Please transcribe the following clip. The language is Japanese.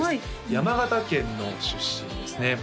山形県の出身ですね